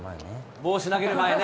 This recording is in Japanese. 帽子投げる前ね。